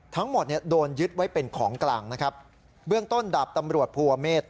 ทั้งหมดเนี่ยโดนยึดไว้เป็นของกลางนะครับเบื้องต้นดาบตำรวจภูเมฆ